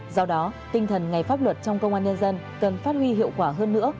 do đó tinh thần ngày pháp luật trong công an nhân dân cần phát huy hiệu quả hơn nữa